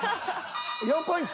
４ポイント。